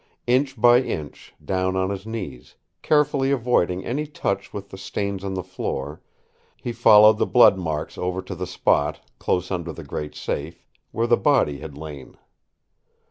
Inch by inch, down on his knees, carefully avoiding any touch with the stains on the floor, he followed the blood marks over to the spot, close under the great safe, where the body had lain.